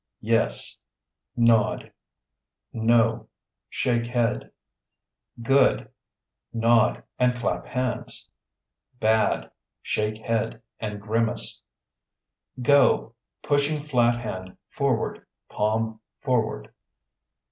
Yes (Nod). No (Shake head). Good (Nod and clap hands). Bad (Shake head and grimace). Go (Pushing flat hand forward, palm forward).